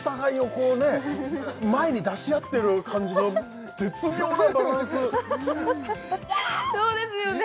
こうね前に出し合ってる感じの絶妙なバランスそうですよね